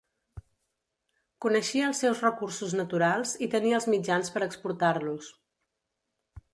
Coneixia els seus recursos naturals i tenia els mitjans per exportar-los.